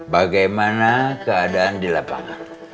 bagaimana keadaan di lapangan